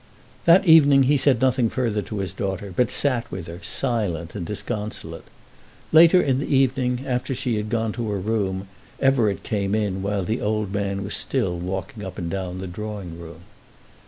That evening he said nothing further to his daughter, but sat with her, silent and disconsolate. Later in the evening, after she had gone to her room, Everett came in while the old man was still walking up and down the drawing room.